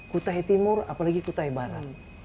kutai timur apalagi kutai barat